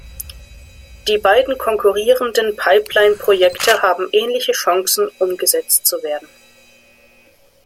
Die beiden konkurrierenden Pipeline-Projekte haben ähnliche Chancen, umgesetzt zu werden.